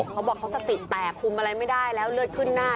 เขาบอกเขาสติแตกคุมอะไรไม่ได้แล้วเลือดขึ้นหน้า